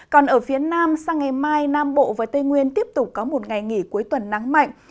còn ở phía nam sang ngày mai nam bộ và tây nguyên tiếp tục có một ngày nghỉ cuối tuần nắng mạnh